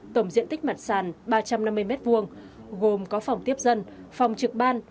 tổng diện tích mặt sàn ba trăm năm mươi m hai gồm có phòng tiếp dân phòng trực ban